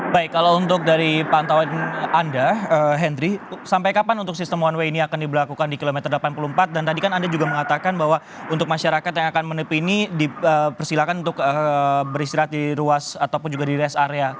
baik kalau untuk dari pantauan anda henry sampai kapan untuk sistem one way ini akan diberlakukan di kilometer delapan puluh empat dan tadi kan anda juga mengatakan bahwa untuk masyarakat yang akan menepi ini dipersilakan untuk beristirahat di ruas ataupun juga di rest area